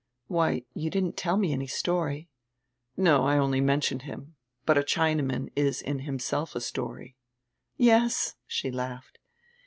"Why, you didn't tell me any story." "No, I only mentioned him. But a Chinaman is in him self a story." "Yes," she laughed.